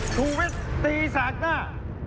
ชูวิทย์ตีแสกหน้า